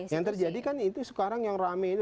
yang terjadi kan itu sekarang yang rame itu